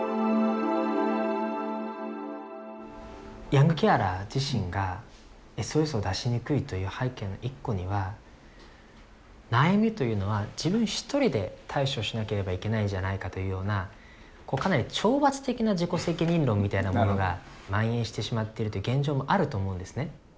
ヤングケアラー自身がＳＯＳを出しにくいという背景の一個には悩みというのは自分一人で対処しなければいけないんじゃないかというようなこうかなり懲罰的な自己責任論みたいなものがまん延してしまってるという現状もあると思うんですね。